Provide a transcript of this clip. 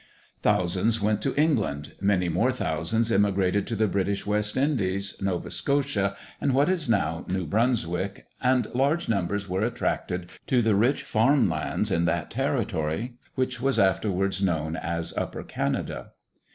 Thousands went to England, many more thousands emigrated to the British West Indies, Nova Scotia, and what is now New Brunswick, and large numbers were attracted to the rich farm lands in that territory which was afterwards known as Upper Canada.